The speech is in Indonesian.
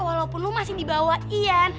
walaupun lo masih di bawah ian